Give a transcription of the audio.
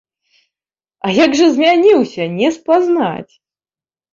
А як жа змяніўся, не спазнаць!